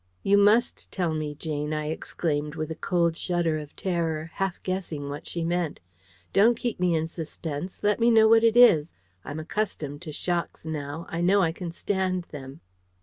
"You MUST tell me, Jane," I exclaimed, with a cold shudder of terror, half guessing what she meant. "Don't keep me in suspense. Let me know what it is. I'm accustomed to shocks now. I know I can stand them."